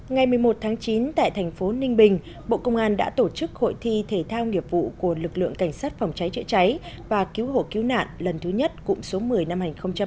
ngày một mươi một tháng chín tại thành phố ninh bình bộ công an đã tổ chức hội thi thể thao nghiệp vụ của lực lượng cảnh sát phòng cháy chữa cháy và cứu hộ cứu nạn lần thứ nhất cụm số một mươi năm hai nghìn hai mươi